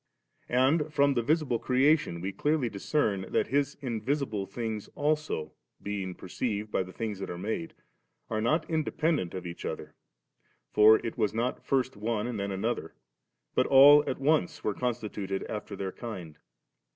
^ 49. And from the visible creation, we clearly discern that His invisible things aJso, 'being perceived by the things that are made'/ are not independent of each other; for it was * not first one and then another, but all at once were constituted after their kind.